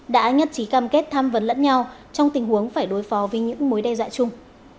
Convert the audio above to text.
đã nhất trí cam kết tham vấn lẫn nhau trong tình huống phải đối phó với những mối đe dọa chung